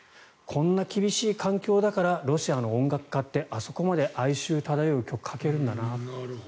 こんな厳しい環境だからロシアの音楽家ってあそこまで哀愁漂う曲を書けるんだな。